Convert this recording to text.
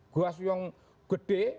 guas yang gede